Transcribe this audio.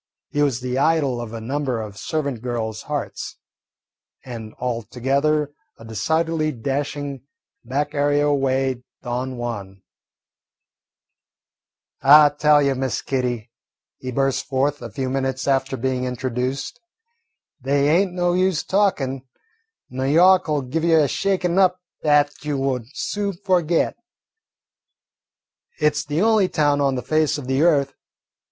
He was the idol of a number of servant girls' hearts, and altogether a decidedly dashing back area way Don Juan. "I tell you, Miss Kitty," he burst forth, a few minutes after being introduced, "they ain't no use talkin', N' Yawk 'll give you a shakin' up 'at you won't soon forget. It 's the only town on the face of the earth.